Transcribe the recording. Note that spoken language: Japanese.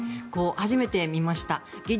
初めて見ました。